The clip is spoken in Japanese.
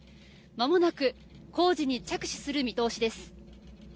まもなく工事に着手する見通しです。